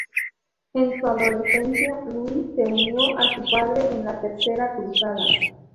En su adolescencia Luis se unió a su padre en la Tercera Cruzada.